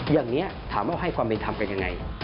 อย่างนี้ถามว่าให้ความเป็นธรรมกันยังไง